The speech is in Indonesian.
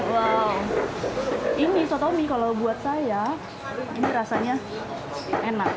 wow ini sotomi kalau buat saya ini rasanya enak